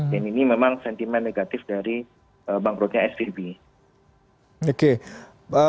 dan ini memang sentimen negatif dari bankrutnya svb